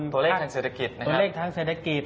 ตัวเลขทางเศรษฐกิจนะครับตัวเลขทางเศรษฐกิจ